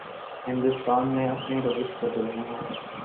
ہندوستان نے اپنی روش بدلنی ہے۔